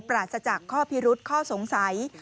ปราศจากข้อพิรุษข้อสงสัย